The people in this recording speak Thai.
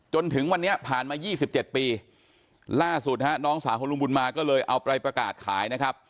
จนถึงวันเนี้ยผ่านมายี่สิบเจ็ดปีล่าสุดนะฮะน้องสาขนลุงบุญมาก็เลยเอาไปประกาศขายนะครับ